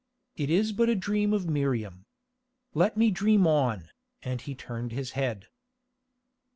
It is but a dream of Miriam. Let me dream on," and he turned his head.